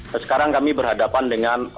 sekarang kami berhadapan dengan